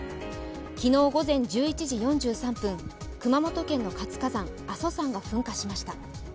昨日、午前１１時４３分、熊本県の活火山・阿蘇山が噴火しました。